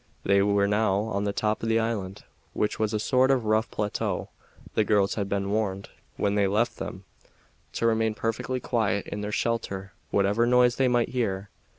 They were now on the top of the island, which was a sort of rough plateau. The girls had been warned, when they left them, to remain perfectly quiet in their shelter whatever noise they might hear.